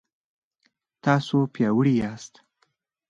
تاسو پیاوړي یاست